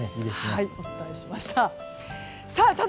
お伝えしました。